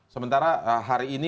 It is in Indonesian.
sementara hari ini